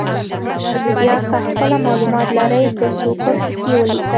یا که خپله معلومات لرئ په څو کرښو کې یې ولیکئ.